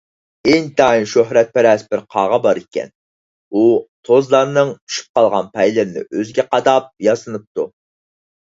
ئىنتايىن شۆھرەتپەرەس بىر قاغا بار ئىكەن. ئۇ توزلارنىڭ چۈشۈپ قالغان پەيلىرىنى ئۆزىگە قاداپ ياسىنىپتۇ.